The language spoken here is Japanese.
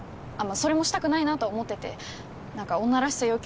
それもしたくないなと思ってて何か女らしさ